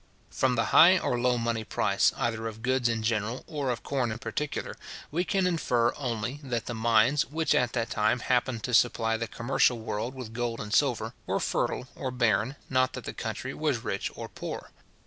From the high or low money price, either of goods in general, or of corn in particular, we can infer only, that the mines, which at that time happened to supply the commercial world with gold and silver, were fertile or barren, not that the country was rich or poor.